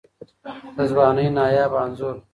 د ځوانۍ نایابه انځور